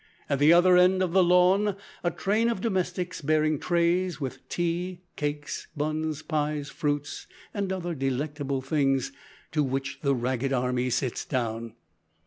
At the other end of the lawn a train of domestics bearing trays with tea, cakes, buns, pies, fruits, and other delectable things, to which the ragged army sits down.